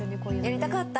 やりたかった。